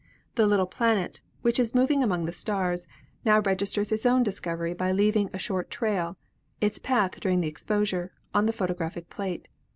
The little planet, which is moving among the 46 ASTRONOMY stars, now registers its own discovery by leaving a short trail — its path during the exposure — on the photographic plate.